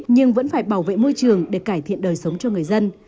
nhưng vẫn phải bảo vệ môi trường để cải thiện đời sống cho người dân